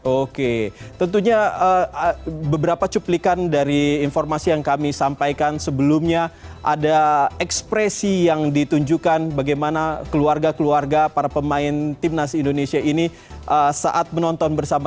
oke tentunya beberapa cuplikan dari informasi yang kami sampaikan sebelumnya ada ekspresi yang ditunjukkan bagaimana keluarga keluarga para pemain timnas indonesia ini saat menonton bersama